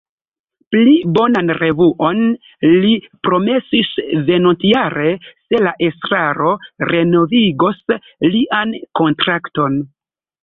Pli bonan revuon li promesis venontjare se la estraro renovigos lian kontrakton.